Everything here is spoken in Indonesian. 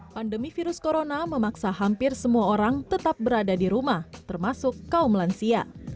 pandemi virus corona memaksa hampir semua orang tetap berada di rumah termasuk kaum lansia